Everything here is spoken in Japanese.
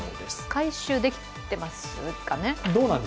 回収できてますかね？